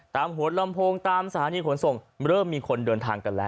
หัวลำโพงตามสถานีขนส่งเริ่มมีคนเดินทางกันแล้ว